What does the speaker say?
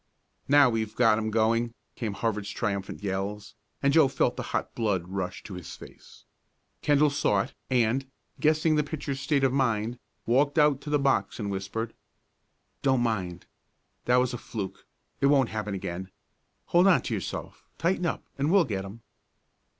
"Now we've got 'em going!" came Harvard's triumphant yells, and Joe felt the hot blood rush to his face. Kendall saw it, and, guessing the pitcher's state of mind, walked out to the box and whispered: "Don't mind. That was a fluke. It won't happen again. Hold on to yourself tighten up and we'll get 'em."